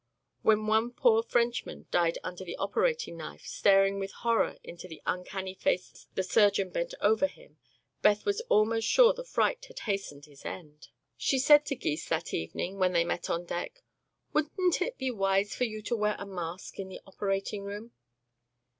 When one poor Frenchman died under the operating knife, staring with horror into the uncanny face the surgeon bent over him, Beth was almost sure the fright had hastened his end. She said to Gys that evening, when they met on deck, "Wouldn't it be wise for you to wear a mask in the operating room?"